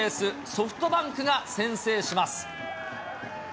ソフトバンクが先制します。